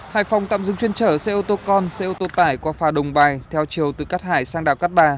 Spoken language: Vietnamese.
hải phòng tạm dừng chuyên trở xe ô tô con xe ô tô tải qua phà đồng bài theo chiều từ cát hải sang đảo cát bà